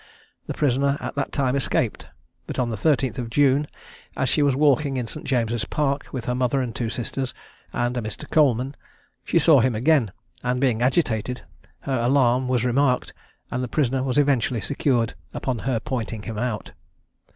The prisoner at that time escaped; but on the 13th of June, as she was walking in St. James's Park with her mother and two sisters, and a Mr. Coleman, she saw him again, and being agitated, her alarm was remarked, and the prisoner was eventually secured upon her pointing him out.